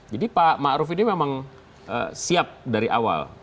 jadi pak ma'ruf ini memang siap dari awal